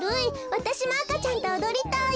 わたしもあかちゃんとおどりたい。